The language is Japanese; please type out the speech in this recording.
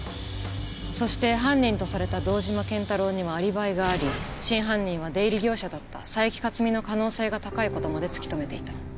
そして犯人とされた堂島健太郎にはアリバイがあり真犯人は出入り業者だった佐伯克己の可能性が高い事まで突き止めていた。